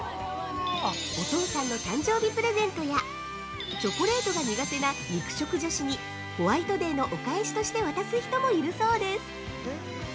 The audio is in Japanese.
お父さんの誕生日プレゼントやチョコレートが苦手な肉食女子にホワイトデーのお返しとして渡す人もいるそうです。